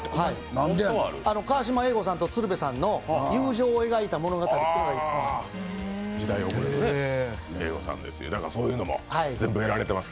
川島英五さんと鶴瓶さんの友情を描いた物語っていうのがあります。